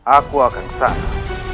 aku akan kesana